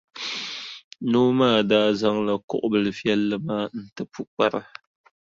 Noo maa daa zaŋla kuɣʼ bilʼ viɛlli maa n-ti pukpara.